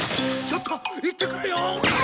ちょっと行ってくるよ！